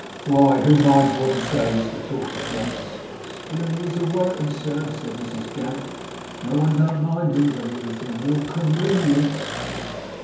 'Why, who minds what he says?' retorted Jonas. 'Still he is worritin' sir,' said Mrs Gamp. 'No one don't mind him, but he IS a ill conwenience.